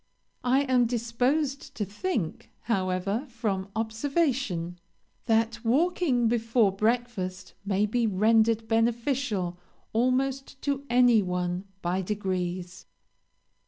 I am disposed to think, however, from observation, that walking before breakfast may be rendered beneficial almost to any one by degrees.